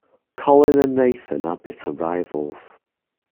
Colin and Nathan are bitter rivals.